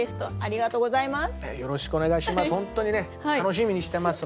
よろしくお願いします。